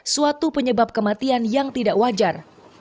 suatu penyebab kematian yang tidak wajar